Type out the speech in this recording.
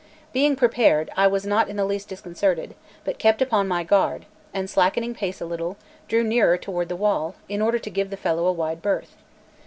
Being prepared, I was not in the least disconcerted; but kept upon my guard, and slackening pace a little, drew nearer toward the wall, in order to give the fellow a wide berth.